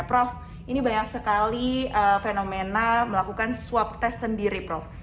prof ini banyak sekali fenomena melakukan swab test sendiri prof